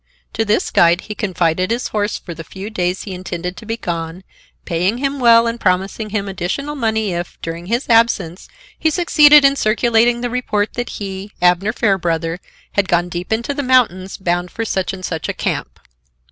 To this guide he confided his horse for the few days he intended to be gone, paying him well and promising him additional money if, during his absence, he succeeded in circulating the report that he, Abner Fairbrother, had gone deep into the mountains, bound for such and such a camp.